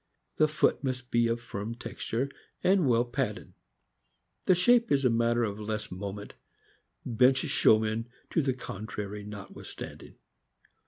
The foot must be of firm texture, and well padded; the shape is a matter of less moment, bench show men to the contrary notwithstanding.